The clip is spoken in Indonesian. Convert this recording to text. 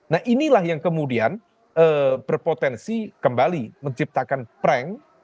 nah inilah yang kemudian berpotensi kembali menciptakan prank